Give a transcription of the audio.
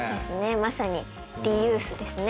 まさにリユースですね。